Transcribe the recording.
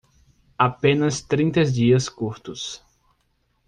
Apenas trinta dias curtos.